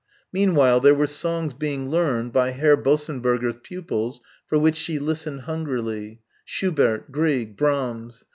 Meanwhile, there were songs being learned by Herr Bossenberger's pupils for which she listened hungrily; Schubert, Grieg, Brahms.